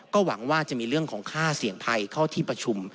ก็หวังว่าจะมีเรื่องของค่าเสี่ยงภัยเข้าที่ประชุม